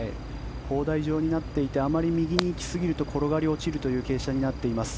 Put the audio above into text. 砲台状になっていてあまり右に行きすぎると転がり落ちるという傾斜になっています。